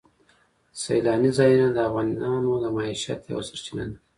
سیلاني ځایونه د افغانانو د معیشت یوه سرچینه ده.